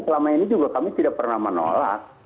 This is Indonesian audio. selama ini juga kami tidak pernah menolak